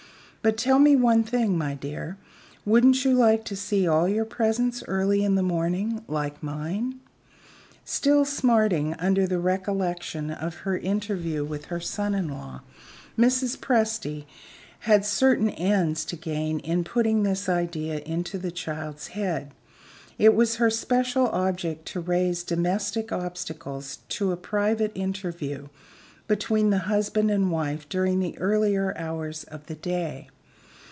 "But tell me one thing, my dear, wouldn't you like to see all your presents early in the morning, like mine?" Still smarting under the recollection of her interview with her son in law, Mrs. Presty had certain ends to gain in putting this idea into the child's head. It was her special object to raise domestic obstacles to a private interview between the husband and wife during the earlier hours of the day.